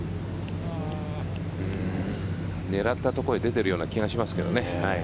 狙ったところへ出ている気がしますけどね。